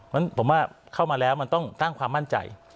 เพราะฉะนั้นผมว่าเข้ามาแล้วมันต้องตั้งความมั่นใจ